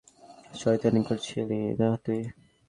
শয়তানি করছিলি না তুই?